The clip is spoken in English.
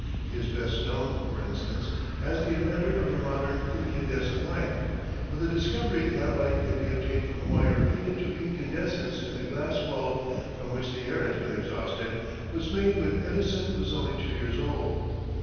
He is best known, for instance, as the inventor of the modern incandescent light; but the discovery that light may be obtained from wire heated to incandescence in a glass bulb from which the air has been exhausted, was made when Edison was only two years old.